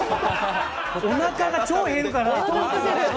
おなかが超減るから。